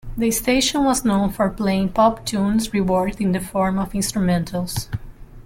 The station was known for playing pop tunes reworked in the form of instrumentals.